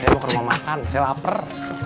saya mau ke rumah makan saya lapar